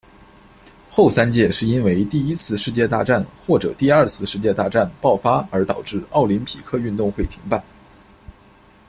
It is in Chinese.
后三届是因为第一次世界大战或者第二次世界大战爆发而导致奥林匹克运动会停办。